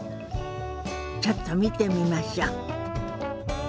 ちょっと見てみましょ。